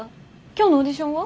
今日のオーディションは？